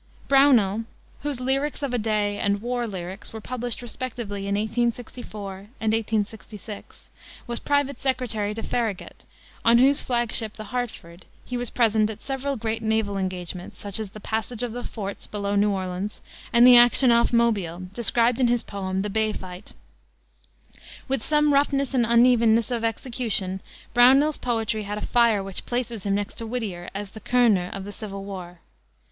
Brownell, whose Lyrics of a Day and War Lyrics were published respectively in 1864 and 1866, was private secretary to Farragut, on whose flag ship, the Hartford, he was present at several great naval engagements, such as the "Passage of the Forts" below New Orleans, and the action off Mobile, described in his poem, the Bay Fight. With some roughness and unevenness of execution, Brownell's poetry had a fire which places him next to Whittier as the Körner of the civil war.